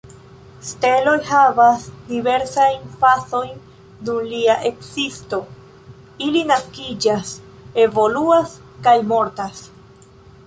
Steloj havas diversajn fazojn dum ilia ekzisto: ili naskiĝas, evoluas, kaj mortas.